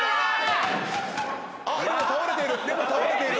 あっでも倒れている。